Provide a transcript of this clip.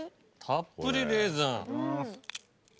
たっぷりレーズン。